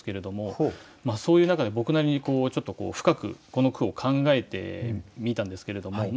そういう中で僕なりにちょっとこう深くこの句を考えてみたんですけれども。